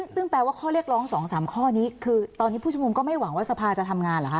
ซึ่งแปลว่าข้อเรียกร้อง๒๓ข้อนี้คือตอนนี้ผู้ชุมนุมก็ไม่หวังว่าสภาจะทำงานเหรอคะ